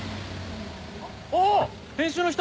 おおっ編集の人！